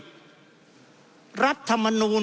เพราะเรามี๕ชั่วโมงครับท่านนึง